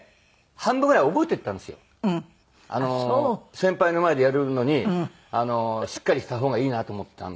先輩の前でやるのにしっかりした方がいいなと思ってたんで。